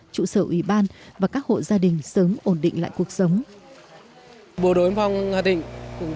trụ sở ủy ban và các hộ gia đình sớm ổn định lại cuộc sống